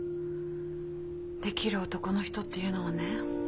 できる男の人っていうのはね